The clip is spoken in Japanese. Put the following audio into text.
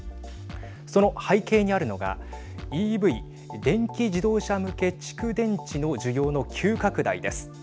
その背景にあるのがＥＶ＝電気自動車向け蓄電池の需要の急拡大です。